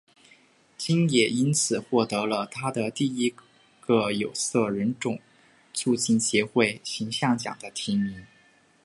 金也因此获得了她的第一个有色人种促进协会形象奖的提名。